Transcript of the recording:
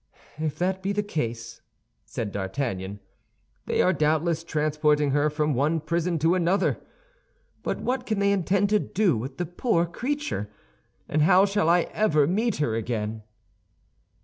"If that be the case," said D'Artagnan, "they are doubtless transporting her from one prison to another. But what can they intend to do with the poor creature, and how shall I ever meet her again?"